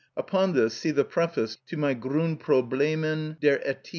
(Upon this see the preface to my Grundproblemen der Ethik.)